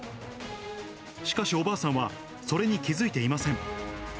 しかし、おばあさんはそれに気付いていません。